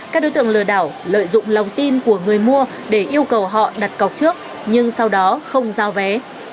các đối tượng lừa đảo lợi dụng lòng tin của người mua để yêu cầu họ đặt cọc trước nhưng sau đó không giao vé